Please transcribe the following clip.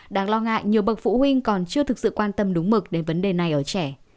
đáng lo ngại nhiều bậc phụ huynh còn chưa thực sự quan tâm đúng mực đến vấn đề này ở trẻ